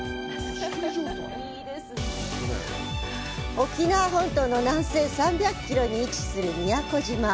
沖縄本島の南西３００キロに位置する宮古島。